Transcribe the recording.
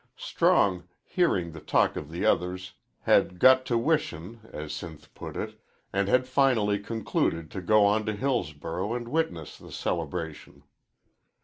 Strong, hearing the talk of the others, had "got to wishin'," as Sinth put it, and had finally concluded to go on to Hillsborough and witness the celebration.